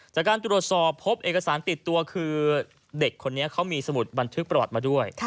จากการตรวจสอบพบเอกสารติดตัวคือเด็กคนนี้เขามีสมุดบันทึกประวัติมาด้วย